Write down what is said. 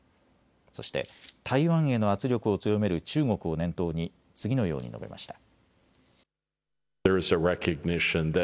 そして台湾への圧力を強める中国を念頭に次のように述べました。